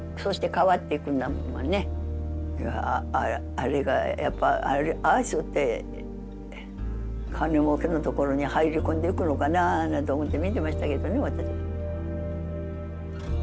あれがやっぱああしよって金もうけのところに入り込んでいくのかななんて思って見てましたけどね私。